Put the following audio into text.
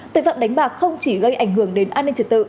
tội phạm đánh bạc không chỉ gây ảnh hưởng đến an ninh trật tự